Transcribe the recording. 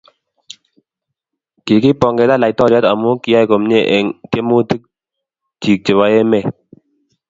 Kikipongesan laitoriat amu kiyay komie eng tiemutik chii che bo emet.